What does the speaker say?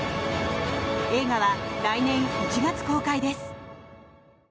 映画は来年１月公開です。